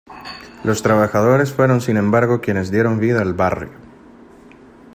Los trabajadores fueron sin embargo, quienes dieron vida al barrio.